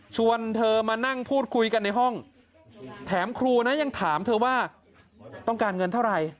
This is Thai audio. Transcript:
เธอมานั่งพูดคุยกันในห้องแถมครูนะยังถามเธอว่าต้องการเงินเท่าไหร่